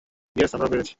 এমন কথা মাথাতেও আনবে না।